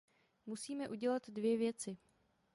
Musíme udělat dvě věci.